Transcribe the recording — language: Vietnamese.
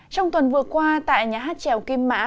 trong tuần vừa qua tại nhà hát trèo kim mã